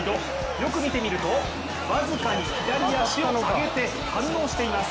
よく見てみると、僅かに左足を上げて反応しています。